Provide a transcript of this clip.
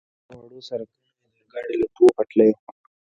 له ګڼو وړو سړکونو، د اورګاډي له دوو پټلیو.